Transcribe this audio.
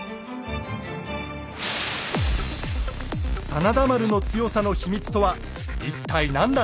真田丸の強さの秘密とは一体何だったのか。